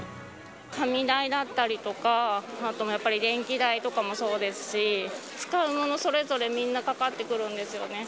紙代だったりとか、あとやっぱり電気代とかもそうですし、使うものそれぞれ、みんなかかってくるんですよね。